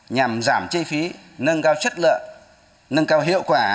nhằm giảm chi phí nâng cao chất lượng nâng cao hiệu quả